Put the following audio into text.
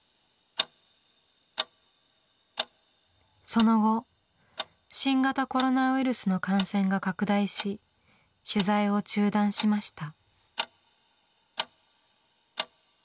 その後新型コロナウイルスの感染が拡大し取材を中断しました。